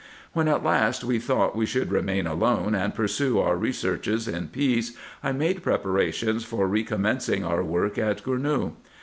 When at last we thought we should remain alone, and pursue our researches in peace, I made preparations for recommencing our work at Gournou.